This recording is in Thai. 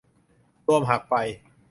รวมหักไป